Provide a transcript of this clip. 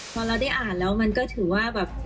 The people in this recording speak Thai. พอเราได้อ่านแล้วมันก็ถือว่าแบบ